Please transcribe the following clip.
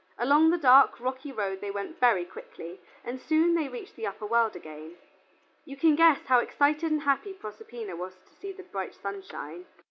Along the dark, rocky road they went very quickly, and soon they reached the upper world again. You can guess how excited and happy Proserpina was to see the bright sunshine.